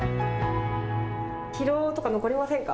疲労とか残りませんか？